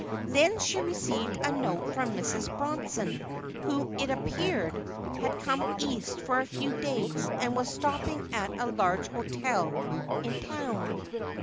Then she received a note from Mrs. Bronson, who, it appeared, had come East for a few days and was stopping at a large hotel in town.